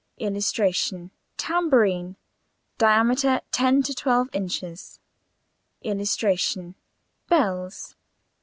[Illustration: TAMBOURINE. Diameter, 10 to 12 in.] [Illustration: BELLS. (Fr.